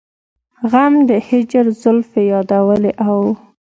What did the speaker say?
غم د هجر زلفې يادولې او